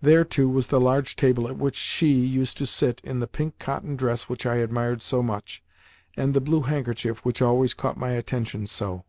There, too, was the large table at which she used to sit in the pink cotton dress which I admired so much and the blue handkerchief which always caught my attention so.